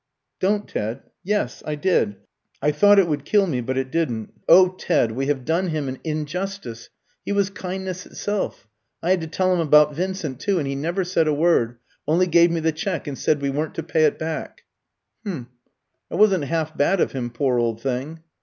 "Don't, Ted. Yes, I did. I thought it would kill me; but it didn't. Oh, Ted, we have done him an injustice. He was kindness itself. I had to tell him about Vincent, too, and he never said a word only gave me the cheque, and said we weren't to pay it back." "H'm, that wasn't half bad of him, poor old thing."